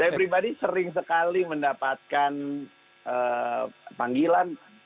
saya pribadi sering sekali mendapatkan panggilan